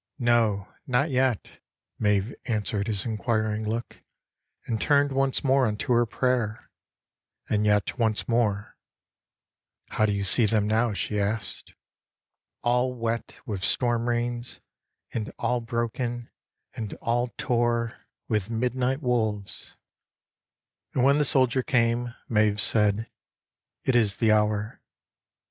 " No, not yet." Maeve answered his inquiring look and turned Once more unto her prayer, and yet once more " How do you see them now ?" she asked. " All wet With storm rains, and all broken, and all tore 112 BEFORE THE WAR OF COOLEY With midnight wolves." And when the soldier came Maeve said, " It is the hour."